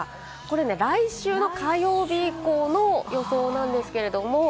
来週の火曜日以降の予想なんですけれども。